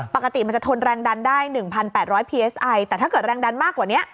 ปกติมันจะทนแรงดันได้หนึ่งพันแปดร้อยพีเอสไอแต่ถ้าเกิดแรงดันมากกว่านี้